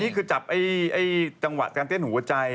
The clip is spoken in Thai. นี่คือจับจังหวะการเต้นหัวใจ